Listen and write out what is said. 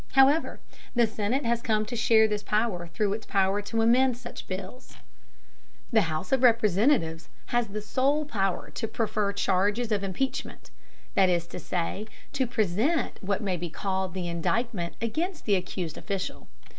However, the Senate has come to share this power through its power to amend such bills. The House of Representatives has the sole power to prefer charges of impeachment, that is to say, to present what may be called the indictment against the accused official.